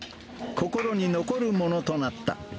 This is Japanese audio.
心に残るものとなった。